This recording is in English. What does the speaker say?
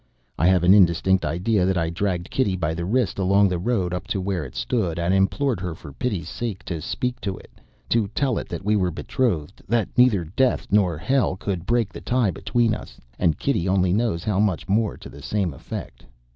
I have an indistinct idea that I dragged Kitty by the wrist along the road up to where It stood, and implored her for pity's sake to speak to It; to tell It that we were betrothed; that neither Death nor Hell could break the tie between us; and Kitty only knows how much more to the same effect.